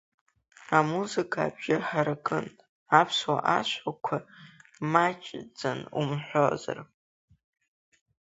Амузыка абжьы ҳаракын, аԥсуа ашәақәа маҷӡан умҳәозар.